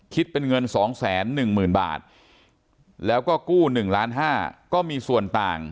คิดเป็นเงิน๒๑๐๐๐บาทแล้วก็กู้๑ล้าน๕ก็มีส่วนต่าง